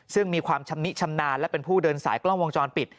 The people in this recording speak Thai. ซึ่งมีความชำนิชำนาญและเป็นผู้เดินสายกล้องวงจรปิด